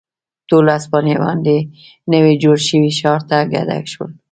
ټول هسپانویان دې نوي جوړ شوي ښار ته کډه شول.